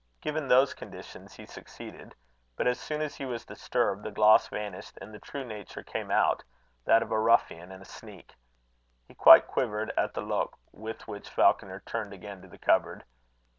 Given those conditions, he succeeded. But as soon as he was disturbed, the gloss vanished, and the true nature came out, that of a ruffian and a sneak. He quite quivered at the look with which Falconer turned again to the cupboard.